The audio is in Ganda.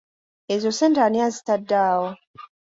Ezo ssente ani azitadde awo?